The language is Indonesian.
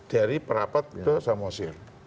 dari perapat ke samosir